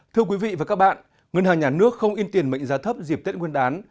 thưa quý vị và các bạn ngân hàng nhà nước không in tiền mệnh giá thấp dịp tết nguyên đán